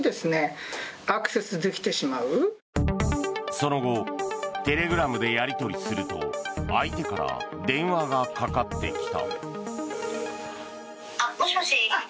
その後、テレグラムでやり取りすると相手から電話がかかってきた。